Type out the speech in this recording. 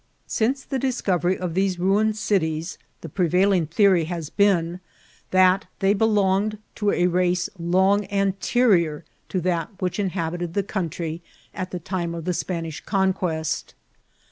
Since the discovery of diese ruined cities the prevail* iag theory has been, that they belonged to a race long anterior to that which inhabited the country at the time of the Spanish conquest.